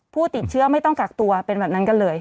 ผู้ติดเชื้อไม่ต้องกักตัวเป็นแบบนั้นกันเลย